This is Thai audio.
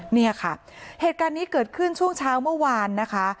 เนี่ยค่ะเหตุการณ์นี้เกิดขึ้นช่วงเช้าเมื่อวานนะคะ